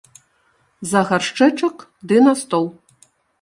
За гаршчэчак ды на стол.